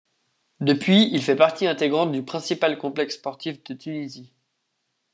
Depuis, il fait partie intégrante du principal complexe sportif de Tunisie.